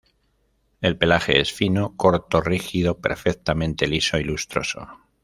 El pelaje es fino, corto, rígido, perfectamente liso y lustroso.